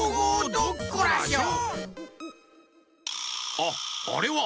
あっあれは！